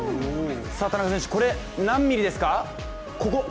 田中選手、これ何ミリですか？